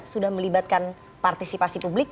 sudah melibatkan partisipasi publik